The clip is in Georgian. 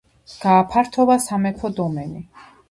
გააფართოვა სამეფო დომენი.